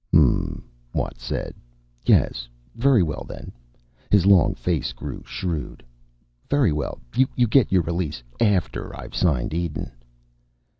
"Hm m," Watt said. "Yes. Very well, then." His long face grew shrewd. "Very, well, you get your release after I've signed Eden."